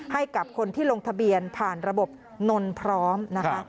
ให้กับคนที่ลงทะเบียนผ่านระบบนนพร้อมนะคะ